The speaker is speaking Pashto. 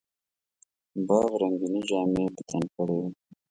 باغ رنګیني جامې په تن کړې وې.